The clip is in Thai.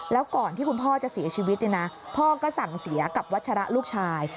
แล้วก่อนที่คุณพ่อจะเสียชีวิตเนี่ยนะพ่อก็สั่งเสียกับวัชระลูกชาย